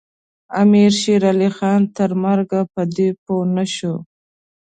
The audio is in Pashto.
امیر شېرعلي خان تر مرګه په دې پوه نه شو.